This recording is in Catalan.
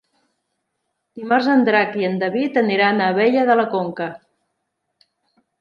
Dimarts en Drac i en David aniran a Abella de la Conca.